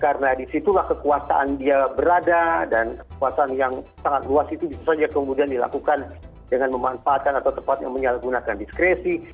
karena disitulah kekuasaan dia berada dan kekuasaan yang sangat luas itu bisa saja kemudian dilakukan dengan memanfaatkan atau tepatnya menggunakan diskreti